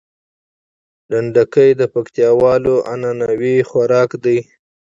ډنډکی د پکتياوالو عنعنوي خوارک ده